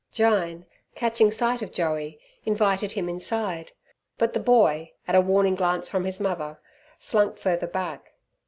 Jyne, catching sight of Joey, invited him inside. But the boy, at a warning glance from his mother, slunk further back.